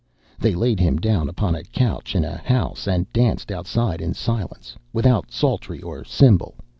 They laid him down upon a couch in a house, and danced outside in silence, without psaltery or cymbal.